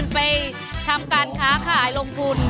ไปทำการค้าขายลงทุน